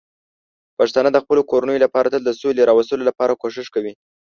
پښتانه د خپلو کورنیو لپاره تل د سولې راوستلو لپاره کوښښ کوي.